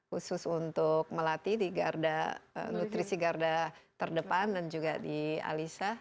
khusus untuk melati di garda nutrisi garda terdepan dan juga di alisa